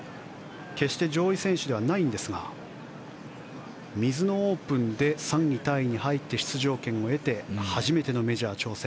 決して上位選手ではないんですがミズノオープンで３位タイに入って出場権を得て初めてのメジャー挑戦